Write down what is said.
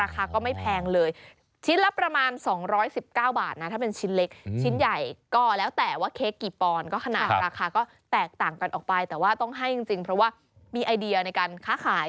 ขนาดราคาก็แตกต่างกันออกไปแต่ว่าต้องให้จริงเพราะว่ามีไอเดียในการค้าขาย